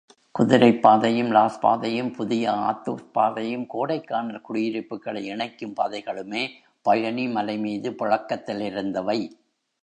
குதிரைப் பாதையும் லாஸ் பாதை யும், புதிய ஆத்தூர்ப்பாதையும், கோடைக்கானல் குடியிருப்புகளை இணைக்கும் பாதைகளுமே பழனி மலைமீது புழக்கத்திலிருந்தவை.